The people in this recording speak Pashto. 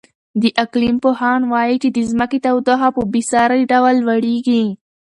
د اقلیم پوهان وایي چې د ځمکې تودوخه په بې ساري ډول لوړېږي.